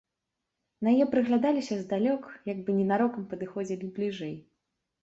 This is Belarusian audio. На яе прыглядаліся здалёк, як бы ненарокам падыходзілі бліжэй.